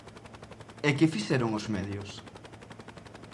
E que fixeron os medios?